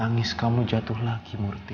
nangis kamu jatuh lagi murti